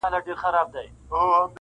د حلال او د حرام سوچونه مکړه.